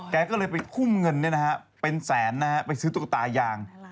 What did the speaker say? แกก็เลยไปทุ่มเงินเป็นแสนไปซื้อตุ๊กตายาง